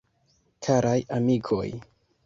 Karaj amikoj!